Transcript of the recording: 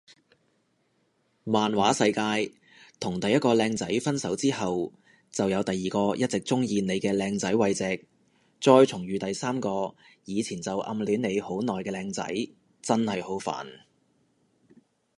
漫畫世界同第一個靚仔分手之後就有第二個一直鍾意你嘅靚仔慰藉再重遇第三個以前就暗戀你好耐嘅靚仔，真係好煩